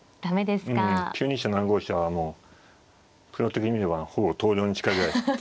７五飛車はもうプロ的に見ればほぼ投了に近いぐらい。